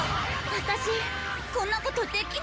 私こんなことできないわ。